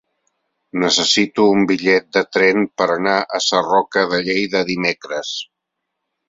Necessito un bitllet de tren per anar a Sarroca de Lleida dimecres.